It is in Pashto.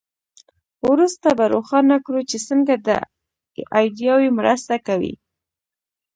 وروسته به روښانه کړو چې څنګه دا ایډیاوې مرسته کوي.